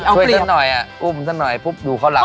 ช่วยถ้านน้อยอ่ะอุ้มน้อยดูเขาหลับ